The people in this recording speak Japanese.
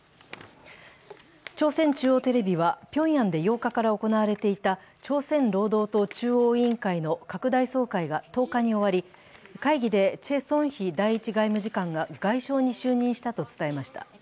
朝鮮中央テレビはピョンヤンで８日から行われていた朝鮮労働党中央委員会の拡大総会が１０日に終わり、会議でチェ・ソンヒ第１外務次官が外相に就任したと伝えました。